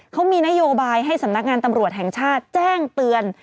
เขามีนโยบายให้สำนักงานตำรวจแห่งชาติแจ้งเตือน